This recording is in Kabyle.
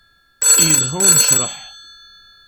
Yelha unecreḥ.